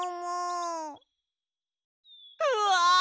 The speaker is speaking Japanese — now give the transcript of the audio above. うわ！